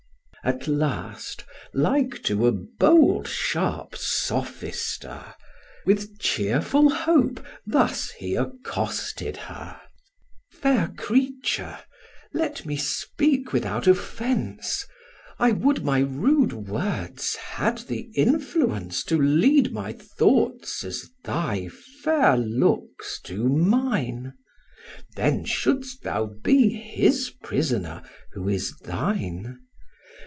At last, like to a bold sharp sophister, With cheerful hope thus he accosted her. "Fair creature, let me speak without offence: I would my rude words had the influence To lead thy thoughts as thy fair looks do mine! Then shouldst thou be his prisoner, who is thine.